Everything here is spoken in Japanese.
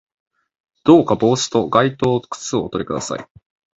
どうか帽子と外套と靴をおとり下さい